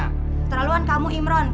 keterlaluan kamu imron